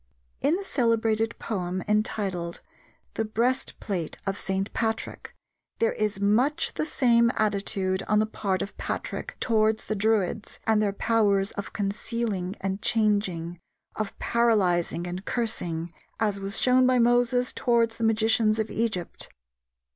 In the celebrated poem entitled The Breastplate of St. Patrick, there is much the same attitude on the part of Patrick towards the Druids and their powers of concealing and changing, of paralyzing and cursing, as was shown by Moses towards the magicians of Egypt.